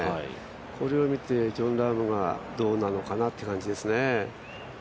これを見てジョン・ラームがどうなのかなって感じですね。